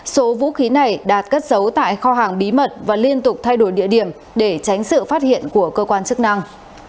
số vũ khí này đạt cất giấu tại kho hàng bí mật và liên tục thay đổi địa điểm để tránh sự phát hiện của cơ quan chức năng